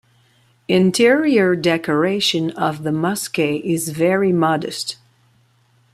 Interior decoration of the mosque is very modest.